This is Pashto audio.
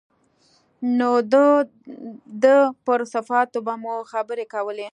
نو د ده پر صفاتو به مو خبرې کولې.